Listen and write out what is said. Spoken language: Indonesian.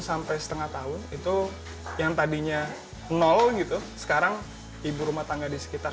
sampai setengah tahun itu yang tadinya nol gitu sekarang ibu rumah tangga di sekitar